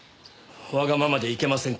わがままでいけませんか？